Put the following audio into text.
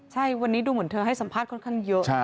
ใช่วันนี้ดูเหมือนเธอให้สัมภาษณ์ค่อนข้างเยอะ